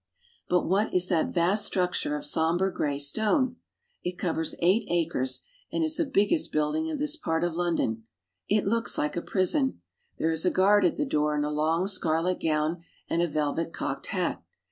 But what is that vast structure of somber gray stone ? It covers eight acres, and is the biggest building of this part of London. It looks like a prison. There is a guard at the door in a long scarlet gown and a velvet cocked hat.